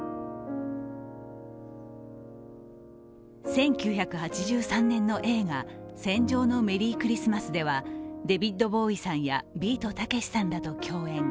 １９８３年の映画「戦場のメリークリスマス」ではデビッド・ボウイさんやビートたけしさんらと共演。